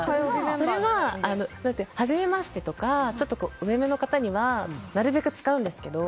それははじめましてとかちょっと上めの方にはなるべく使うんですけど。